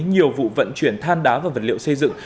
nhiều vụ vận chuyển than đá và vật liệu xây dựng